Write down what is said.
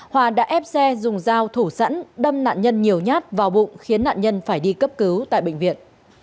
hòa đã ép xe dùng dao thủ sẵn đâm nạn nhân nhiều nhát vào bụng khiến nạn nhân phải đi cấp cứu tại bệnh viện